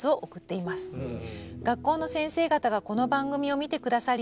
学校の先生方がこの番組を見て下さり